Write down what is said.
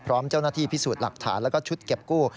พร้อมเจ้าหน้าที่พิสูจน์หลักฐานแล้วก็ชุดเก็บกู้